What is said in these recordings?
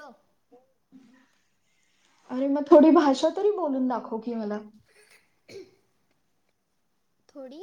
हो. अरे मग थोडी भाषा तरी बोलून दाखव की मला हम्म. थोडी.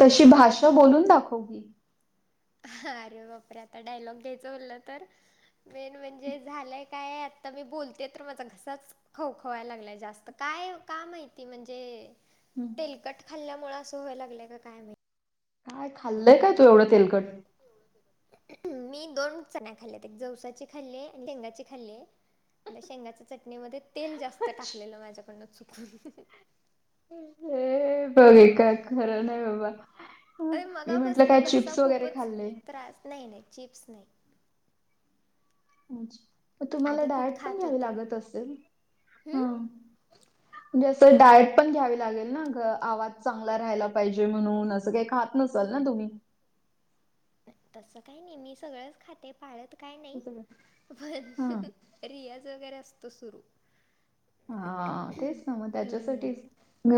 तशी भाषा बोलून दाखव की अरे बापरे आता डायलॉग घ्यायचं बोललं तर मेन म्हणजे झालंय काय तर मी बोलते तर माझा घसाच खव खवायला लागलंय जास्त काय का माहिती म्हणजे हम्म. तेलकट खाल्ल्यामुळे असं व्हाय लागलंय का काय माहित काय खाल्ल काय तू एवढं तेलकट? मी दोन चण्या खाल्ल्यात एक जवसाची खाल्लीय आणि शेंगाची खाल्लीय शेंगाच्या चटणीमध्ये तेल हे जास्त टाकलेलं माझ्याकडनं चुकून हे बाई काय खरं नाही बाबा हं. अरे मी म्हटलं काय मगापासन घसा चिप्स वगैरे खूपच खाल्ले. त्रास, नाही नाही चिप्स नाही. अच्छा म तुम्हाला आधी खूप डायट पण खात घ्यावी होते लागत असेल. हम्म हा. म्हणजे असं डायट पण घ्यावी लागेल ना ग आवाज चांगला राहायला पाहिजे म्हणून असं काही खात नसाल ना तुम्ही. तस काही नाही मी सगळंच खाते पाळत काय नाही पण हां. रियाज वगैरे असतो सुरू. हा तेच ना मग त्याच्यासाठीच हम्म.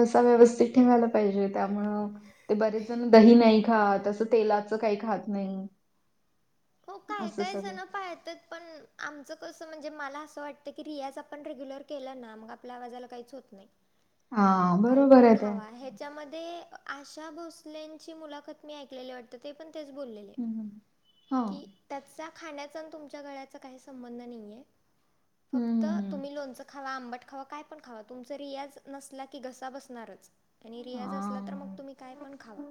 घसा व्यवस्थित ठेवायला पाहिजे त्यामुळं ते बरेच जण दही नाही खात, असं तेलाचं काही खात नाही हो काय असं काय सगळं. जण पळतात पण आमचं कसं म्हणजे मला असं वाटतं की रियाज आपण रेग्युलर केला ना मग आपल्या आवाजाला काहीच होत नाही. हा बरोबर आहे ते. त्याच्यामध्ये आशा भोसलेंची मुलाखत मी ऐकलेली वाटते ते पण तेच बोलले. हं, हं. हो. की त्याचा खाण्याचा आणि तुमच्या गळ्याचा काही संबंध नाही आहे फक्त हं, हं. तुम्ही लोणचं खावा, आंबट खावा काय पण खावा तुमचा रियाज नसला की घसा बसणारच. आणि रियाज असलं तर हां. मग तुम्ही काय पण खावा.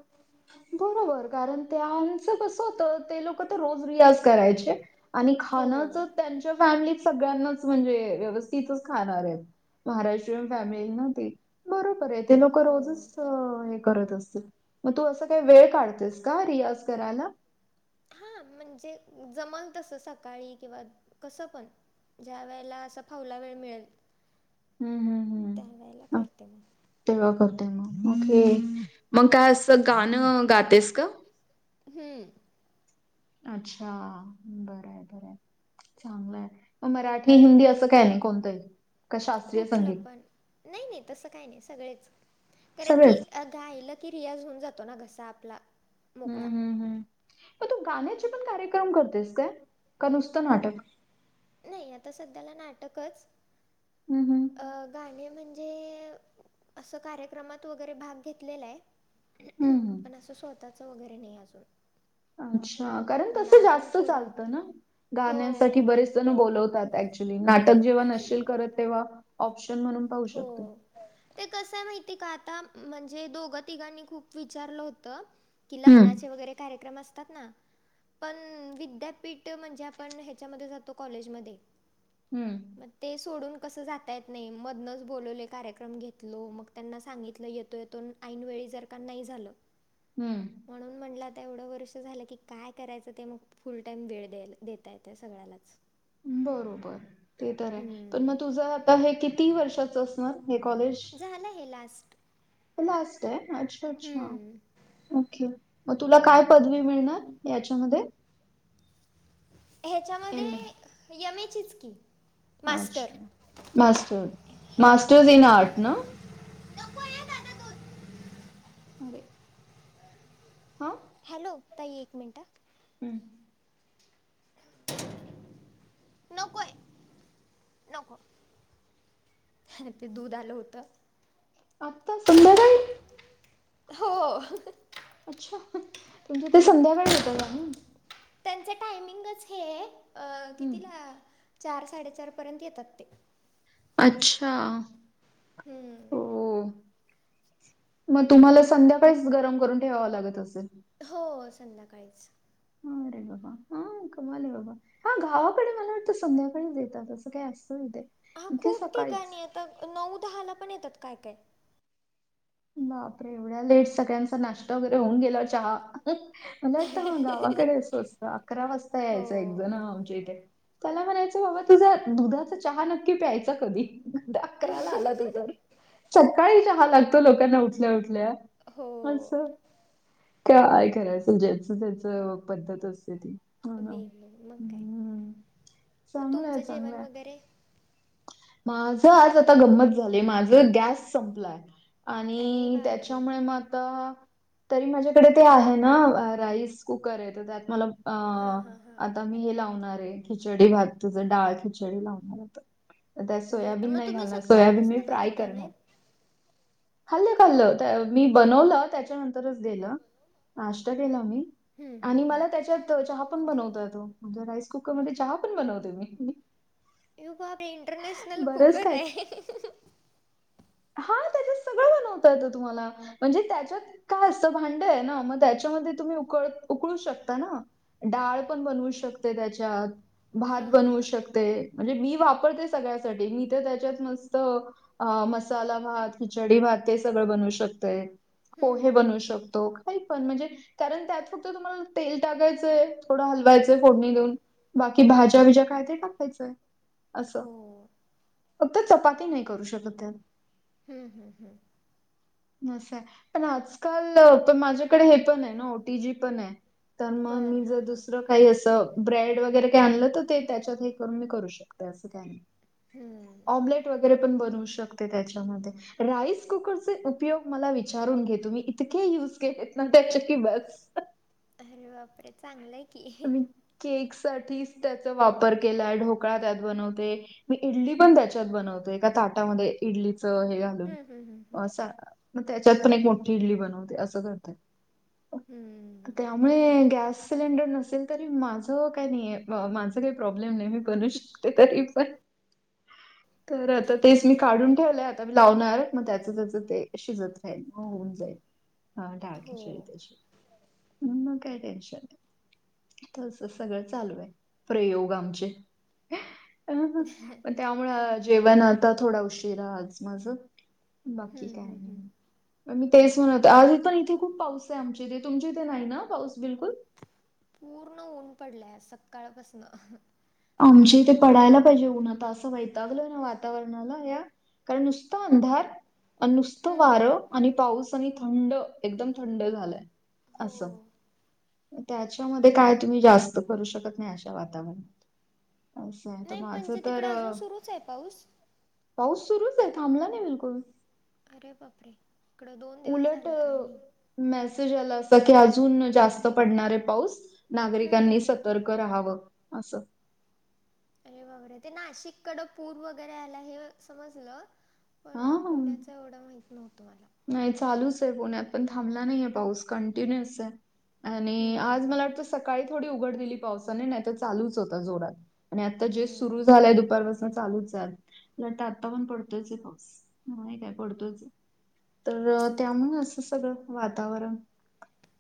बरोबर कारण ते आमच कस होत ते लोक तर रोज रियाज करायचे आणि हो खाण तर त्यांच्या फॅमिलीत सगळ्यांनाच म्हणजे व्यवस्थितच खाणार आहेत. महाराष्ट्रीयन फॅमिली ना ती. बरोबर आहे, ते लोक हो रोजच हे करत असतील मग तू असं काही वेळ काढतेस का रियाज करायला? हा म्हणजे जमल तसं सकाळी किंवा कसं पण ज्या वेळेला असा फावला वेळ मिळेल हम्म हम्म त्या वेळेला हम्म अ, करते मी तेव्हा करतेय मग. ओके मग काय असं गाणं गातेस का? हम्म. अच्छा बरंय बरंय, चांगलं आहे मग मराठी हिंदी अस कुठलं पण, नाही नाही तसं काही नाही सगळेच कारण की सगळेच. गायलं की रियाज होऊन जातो ना घसा आपला मोकळा हम्म हम्म हम्म मग तू गाण्याचे पण कार्यक्रम करतेस काय, का नुसतं नाटक? नाही आता सध्याला नाटकच, हम्म हम्म गाणे म्हणजे ते असं कार्यक्रमात वगैरे भाग घेतलेला आहे हम्म पण असं स्वतःचं वगैरे नाही अजून अच्छा कारण मला तसं अजून जास्त थोडं चालतं ना हो गाण्यांसाठी हो बरेच जण बोलवतात एकच्युली ली नाटक जेव्हा नसशील करत तेव्हा ऑप्शन म्हणून पाहू शकतो. हो ते कसं माहिती आहे का आता म्हणजे दोघं तिघांनी खूप विचारलं होतं कि हम्म. लग्नाचे वगैरे कार्यक्रम असतात ना पण विद्यापीठ म्हणजे आपण ह्याच्यामध्ये जातो कॉलेजमध्ये हम्म. मग ते सोडून कसं जातय आहेत. नाही मधनंच बोलवले कार्यक्रम घेतलो मग त्यांना सांगितलं येतो येतो ऐनवेळी जर का नाही झालं. हम्म, म्हणून म्हटलं आता एवढं वर्ष झालं की काय करायचं ते मग. फुल टाईम वेळ द्याल देता येत सगळ्यालाच. बरोबर ते तर आहे पण मग हम्म. तुझं आता हे किती वर्षाच असणार हे कॉलेज. झालं हे लास्ट. पण लास. तय अच्छ अच्छ हम्म. ओके मग तुला काय पदवी मिळणार याच्यामध्ये. एम ए ह्याच्यामध्ये एम एचच की. मास्टर अच्छा मा हां. मास्र्स इन आर्ट ना. अरे, हा, हॅलो ताई एक मिनटं हा. हम्म, नकोय नको. ह्या ते दूध आलं होतं. आता संध्याकाळी. हो, अच्छा म्हणजे ते संध्याकाळ देतात जाणून. त्यांच टायमिंगच हे अ हम्म. कितीला चार साडेचार पर्यंत येतात ते. अच्छा, हम्म, हो मग तुम्हाला संध्याकाळीच गरम करून ठेवावा लागत असेल. हो, संध्याकाळीच. हारे बाबा. हा कमाले बाबा हा गावाकडे मला वाटतं संध्याकाळीच येतात असं काही असतं ना तेे. हा खूप ठिकाणी आता नऊ दहाला पण येतात काय काय. बापरे एवढ्या लेट सगळ्यांचा नाश्ता वगैरे होऊन गेल चहा. मला वाटतं ह गावाकडे असं असतं अकरा वाजता हो यायचं एक जण आमच्या इथे. त्याला म्हणायचं बाबा तुझा दुधाचा चहा नक्की प्यायचा कधी अकराला आला तू तर. सकाळी चहा लागतो लोकांना उठल्या उठल्या हो असं. काय करायचल ज्याच त्याच पद्धत असते ती. हो ना. वेगग मग काय हं. मग तुमचं जेवण वगैरे. माझ आज आता गंमत झालंय माझ गॅस संपलाय. अरे आणि बापरे त्याच्यामुळे मग आता तरी माझ्याकडे ते आहे ना राईस. कुकर आहे तर त्यात मला. हा हा हा, अ, आता मी हे लावणार आहे खिचडी भात तुझं डाळ खिचडी लावणार आहे. त्यात बरं सोयाबीन मग नाही तुम्ही घालणार सोयाबीन मी सकाळपासून फ्राय खाल्ला करणारं. नाहीत खाल्लं खाल्लं मी बनवलं त्याच्यानंतरच दिलं. स्वयंपाक. नाष्ट्ता केला मी आणि हम्म. मला त्याच्यात चहा पण अच्छा बनवता येतो. म्हणजे राईस कुकर मध्ये चहा पण बनवते मी. यु बा इंटरनेशनल बरंच कुकर आहेै. हा त्याच्यात सगळं बनवता येत तुम्हाला. म्हणजे त्याच्यात काय असतं भांड आहे ना मग त्याच्यामध्ये तुम्ही उकळ उकळू शकताय ना डाळ पण बनवू शकते त्याच्यात भात हां हां बनवू हां शकते. म्हणजे मी वापरते सगळ्यासाठी मी तर त्याच्यात मस्त आ- मसाला भात खिचडी भात ते सगळं बनवू शकतय हम्म, पोहे हम्म, बनवू हम्म. शकतो. काय पण म्हणजे कारण त्यात फक्त तुम्हाला तेल टाकायचंय थोडं हलवायचं. फोडणी देऊन बाकी भाज्या बिज्या काय ते टाकायचंय असं. हो फक्त चपाती नाही करू शकत त्यात हम् हम हम नसय पण आजकाल- पण माझ्याकडे हे पण आहे ना ओटीजी पण आहे तर मग बरं मी हां जर हां दुसरं. काही असं ब्रेड वगैरे काही आणलं तर ते त्याच्यात हे करून मी करू शकते असं काय नाही. हम्म. ऑमलेट वगैरे पण बनवू शकते त्याच्यामध्ये. राईस कुकरचे उपयोग मला विचारून घे तूम्ही इतके यूज केलेत ना त्याचे कि बस. अरे बापरे चांगलं आहे. की मी केक साठीच त्याचा वापर केलाय ढोकळा त्यात बनवते. मी इडली पण त्याच्यात बनवते एका ताटामध्ये इडलीच हे- हम्म, हम्म, हम्म, हम्म. त्याच्यात पण एक मोठी इडली बनवते असं करते. हम्म. त्यामुळे गॅस सिलेंडर नसत. असेल तरी माझ काही नाही माझ काही प्रॉब्लेम नाही मी बनू शकते तरी पण. तर आता तेच मी काढून ठेवलंय आता लावणारत मग त्याच त्याच ते शिजत राहिल मग होऊन जाईल हो म्हणूनच काय टेन्शन नाही. तसं सगळं चालू आहे प्रयोग आमचे. हं ह त्यामुळे जेवण आता थोडं उशिराच माझं बाकी हम्म, काही हम्म, हम्म. नाही. मी तेच म्हणते आज पण इथे खूप पाऊस आहे आमची इथे तुमचे इथे नाही ना पाऊस बिलकुल. पूर्ण ऊन पडलंय आज सकाळपासन. आमचे इथे पडायला पाहिजे पण आता असं वैतागलोय ना वातावरणाला. काय नुसता अंधार. नुसतं हम्म. वारं आणि पाऊस आणि थंड एकदम थंड झालंय हो. असं. त्याच्यामध्ये काय तुम्ही जास्त करू शकत नाही अशा वातावरणात. असं आहे तर नाही माझं म्हणजे तर तिकडं अजून अ, सुरूच आहे पाऊस. पाऊस सुरूच आहे थांबला नाही बिलकुल. अरे बापरे इकडं दोन दिवस उलट झालं काय नाही. मेसेज आला असा की अजून जास्त पडणारे पाऊस. हम्म, नागरिकांनी हम्म, हम्म. सतर्क राहावं असं. अरे बापरे ते नाशिक कडे पूर वगैरे आलाय हे समजलं. पण हा पुण्याच एवढं माहित नव्हत मला. नाही चालूच आहे पुण्यात पण थांबला नाहीये पाऊस कंटिन्युअच आहे. आणि आज हम्म, मला वाटतं सकाळी थोडी उघड दिली पावसाने नाही तर चालूच होता जोरात. आणि आता जे सुरू हम्म. झालंय दुपारपासून चालूच आहे उलट आत्ता पण पडतोच आहे पाऊस. ह काय पडतोच तर त्यामुळे असं सगळं वातावरण.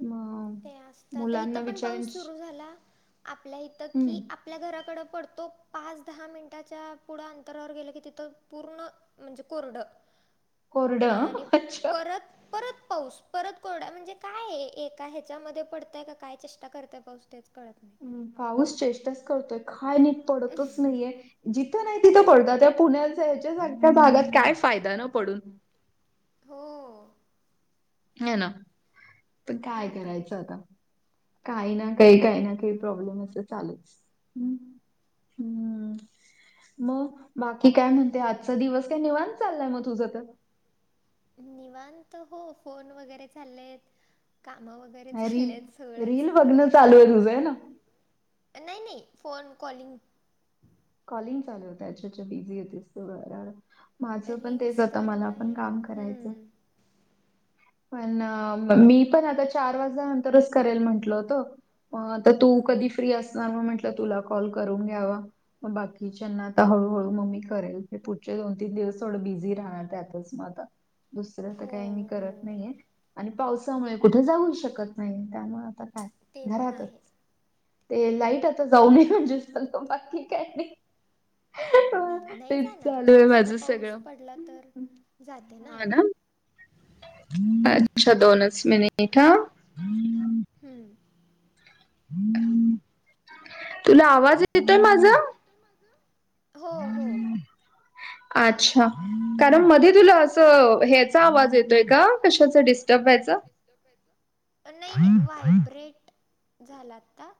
मग. ते असत तर इथं पण पाऊस सुरू झाला आपल्या इथं की हम्म आप आपल्या घराकडं पडतो पाच दहा मिनटाच्या पुढं अंतरावर गेलं की तिथं पूर्ण म्हणजे कोरड, कोरडं आणि, हं अच्छा. परत परत पाऊस परत कोरडा म्हणजे काय आहे ये? का ह्याच्यामध्ये पडताय काय चेष्टा करताय पाऊस तेच कळत नाही. हम्म पाऊस चेष्टाच करतोय काय नीट पडतच नाहीये? जिथं नाही तिथं पडत त्या पुण्यात जायच्या संख्या झाल्यात काय फायदा न पडून? हो. हे ना, पण काय करायचं आता, काही ना काही काही ना काही ना काही प्रॉब्लेमच ये चालूच, हम, हम्म, म. बाकी काय म्हणते आजचा दिवस काय निवांत चाललाय म तुझ तर? निवांत हो फोन वगैरे चाललेत. काम वगैरे रील चाललेत सगळच. रील बघणं चालू आहे तुझं आहे ना नाही नाही, फोन कॉलिंग. कॉलिंग चालू होत अच्छा अच्छा बिझी येतेस [unintelligible] माझं पण तेच रील्स आता तर मला पण नाही काम करायच. हम्म पण मी पण आता चार वाजा न तरच करेल म्हटलं होतं, म आता तू कधी फ्री असणार म म्हंटल तर तुला कॉल करून घ्यावा? मग बाकीच्यांना आता हळूहळू म मी करेल ते पुढचे दोन-तीन दिवस थोडं बिझी राहणार त्यातच म आता. दुसर त हो काय मी हो करत नाहीये. आणि पावसामुळे कुठे जाऊ शकत नाही त्यामुळे आता काय ते पण घरातच. आहे ते लाईट आता जाऊ न म्हणजे झाल बाकी की काय नाही. नाही नाही तेच जाणार चालू आहे जास्त माझं पाऊस सगळं. पडला तर जाते ना? अच्छा दोनच मिनिट हा. हम्म. तुला आवाज येतोय माझा, हो हो अच्छा. कारण मध्ये तुला असं ह्याचा आवाज येतोय का कशाचा डिस्टर्ब व्हायचा? नाही नाही व्हायब्रेट, झाला आता‌.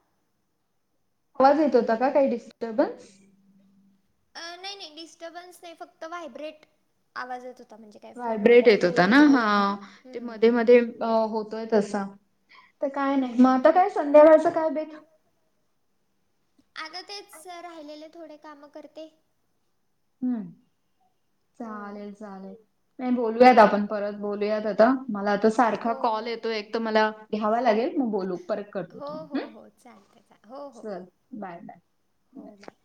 आवाज येत होता का काही डिस्टर्बन्स? नाही नाही डिस्टर्बन्स नाही फक्त व्हायब्रेट, आवाज येत म्हणजे काय फोन वगैरे व्हायब्रेंट येत आला होता का ना हा, ते मधे हम्म मधे होतोय तस. तर काय नाही म हम्म. आता काय संध्याकाळचं काय बेत? आगं तेच राहिलेले थोडे कामं करते. हम्म, हो चालेल चालेल, नाही बोलूयात आपण. परत बोलूयात आता मला आता सारखा हो कॉल हो येतो एक तर मला घ्यावा लागेल मग बोलू परत. करते हो तुला. हो हं. हो चालतय चा हो हो, चल बाय बाय. हो बाय.